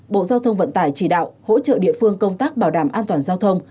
bộ giao thông vận tải chỉ đạo hỗ trợ địa phương công tác bảo đảm an toàn giao thông